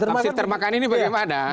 maksud termahkan ini bagaimana